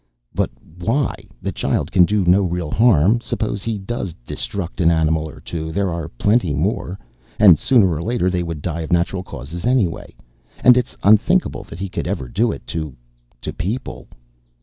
"But why? The child can do no real harm. Suppose he does 'destruct' an animal or two? There are plenty more. And sooner or later they would die of natural causes, anyway. And it's unthinkable that he could ever do it to to people